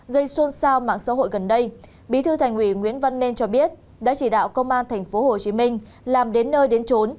gây xôn xao mạng xã hội gần đây bí thư thành ủy nguyễn văn nên cho biết đã chỉ đạo công an thành phố hồ chí minh làm đến nơi đến trốn